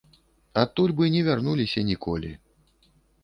Адтуль бы не вярнуліся ніколі.